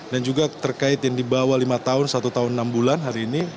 dan juga terkait yang dibawa lima tahun satu tahun enam bulan hari ini